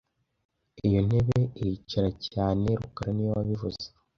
Iyo ntebe iricara cyane rukara niwe wabivuze